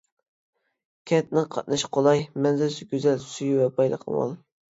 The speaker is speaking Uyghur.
كەنتنىڭ قاتنىشى قولاي، مەنزىرىسى گۈزەل، سۈيى ۋە بايلىقى مول.